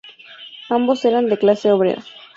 Ambos eran de clase obrera.